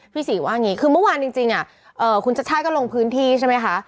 ศรีว่าอย่างนี้คือเมื่อวานจริงคุณชัชชาติก็ลงพื้นที่ใช่ไหมคะ